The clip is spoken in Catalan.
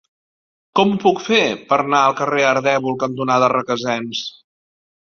Com ho puc fer per anar al carrer Ardèvol cantonada Requesens?